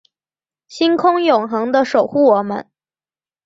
星空永恒的守护我们